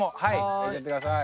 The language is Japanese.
焼いちゃってください。